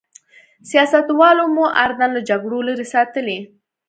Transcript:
سیاستوالو مو اردن له جګړو لرې ساتلی.